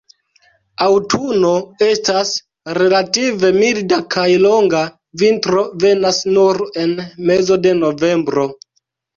Aŭtuno estas relative milda kaj longa, vintro venas nur en mezo de novembro.